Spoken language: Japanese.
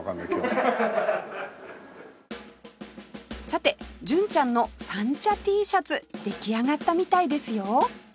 さて純ちゃんの三茶 Ｔ シャツ出来上がったみたいですよ！